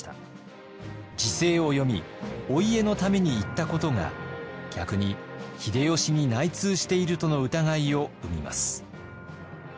時勢を読みお家のために言ったことが逆に秀吉に内通しているとの疑いを生みます。